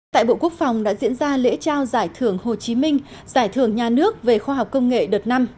tại bộ quốc phòng đã diễn ra lễ trao giải thưởng hồ chí minh giải thưởng nhà nước về khoa học công nghệ đợt năm